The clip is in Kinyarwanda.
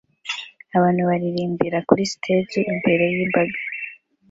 Abantu baririmbira kuri stage imbere yimbaga